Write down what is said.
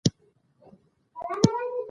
دوست محمد پلار ئې هم ادیب وو.